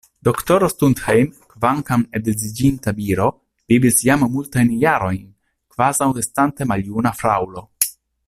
Doktoro Stuthejm, kvankam edziĝinta viro, vivis jam multajn jarojn kvazaŭ estante maljuna fraŭlo.